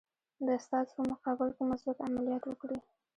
د استازو په مقابل کې مثبت عملیات وکړي.